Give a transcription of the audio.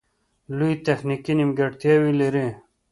لویې تخنیکې نیمګړتیاوې لري